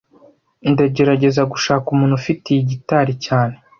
Ndagerageza gushaka umuntu ufite iyi gitari cyane